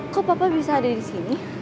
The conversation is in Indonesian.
kok papa bisa ada disini